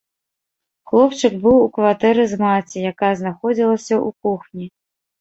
Хлопчык быў у кватэры з маці, якая знаходзілася ў кухні.